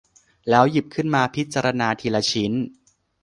แล้วหยิบขึ้นมาพิจารณาทีละชิ้น